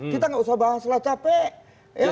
kita nggak usah bahas lah capek